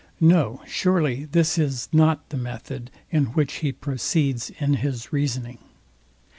No surely; this is not the method, in which he proceeds in his reasoning.